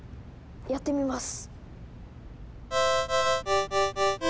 やってみます。